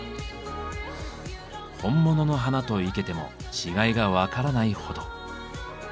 本物の花と生けても違いが分からないほど。